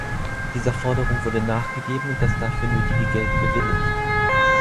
Dieser Forderung wurde nachgegeben und das dafür nötige Geld bewilligt.